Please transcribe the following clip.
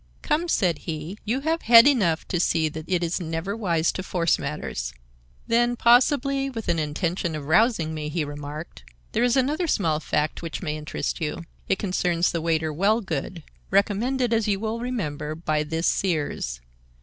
"Come," said he, "you have head enough to see that it is never wise to force matters." Then, possibly with an intention of rousing me, he remarked: "There is another small fact which may interest you. It concerns the waiter, Wellgood, recommended, as you will remember, by this Sears.